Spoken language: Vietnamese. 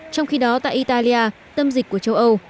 trong khi đó tại italia tâm dịch của châu âu